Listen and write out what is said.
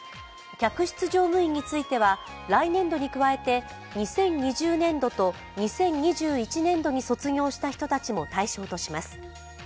客室乗務員については来年度に加えて、２０２０年度と２０２１年度に卒業した人たちも対象とします。